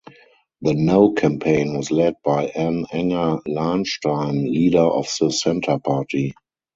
The "No" campaign was led by Anne Enger Lahnstein, leader of the Centre Party.